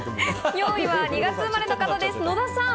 ４位は２月生まれの方、野田さん。